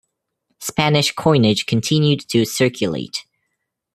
Spanish coinage continued to circulate.